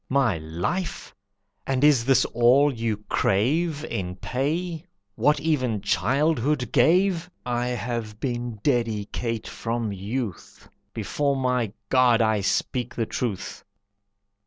"My life! And is that all you crave In pay? What even childhood gave! I have been dedicate from youth. Before my God I speak the truth!"